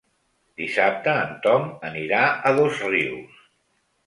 Dissabte en Tom anirà a Dosrius.